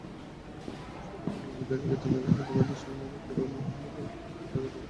সরেজমিনে দেখা গেছে, নাজিরহাট বাজার–সংলগ্ন পুরোনো হালদা সেতুর গোড়ায় বিশাল ময়লার স্তূপ।